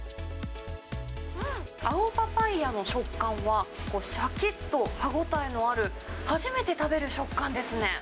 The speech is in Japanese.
青パパイヤの食感は、しゃきっと歯応えのある、初めて食べる食感ですね。